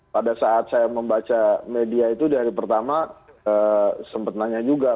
pada saat saya membaca media itu di hari pertama sempat nanya juga